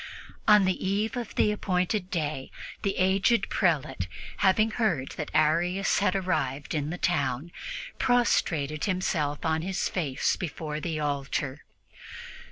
On the eve of the appointed day, the aged prelate, having heard that Arius had arrived in the town, prostrated himself on his face before the altar.